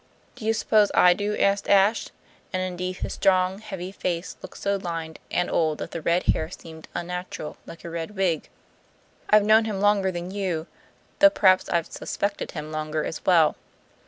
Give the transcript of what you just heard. "Do you suppose I do?" asked Ashe; and, indeed, his strong, heavy face looked so lined and old that the red hair seemed unnatural, like a red wig. "I've known him longer than you, though perhaps I've suspected him longer as well."